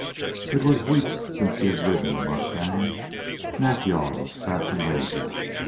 It was weeks since he had ridden the mustang. Nack yal was fat and lazy.